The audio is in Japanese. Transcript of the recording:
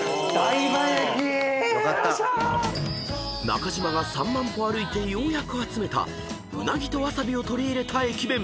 ［中島が３万歩歩いてようやく集めたうなぎとわさびを取り入れた駅弁］